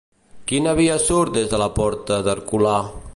Quina via surt des de la porta d'Herculà?